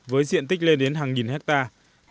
với diện tích lên đến hàng nghìn hectare